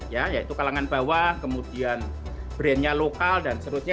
ya yaitu kalangan bawah kemudian brandnya lokal dan seterusnya